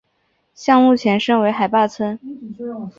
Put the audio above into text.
项目前身为海坝村。